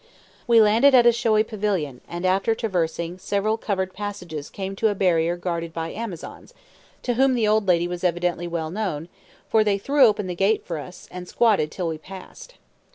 We landed at a showy pavilion, and after traversing several covered passages came to a barrier guarded by Amazons, to whom the old lady was evidently well known, for they threw open the gate for us, and "squatted" till we passed.